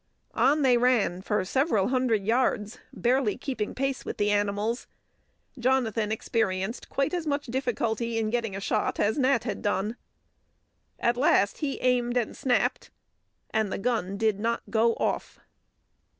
On they ran for several hundred yards, barely keeping pace with the animals. Jonathan experienced quite as much difficulty in getting a shot as Nat had done. At last he aimed and snapped and the gun did not go off.